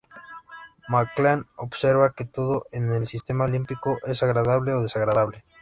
MacLean observa que todo en el sistema límbico es "agradable o desagradable".